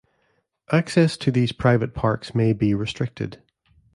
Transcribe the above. Access to these private parks may be restricted.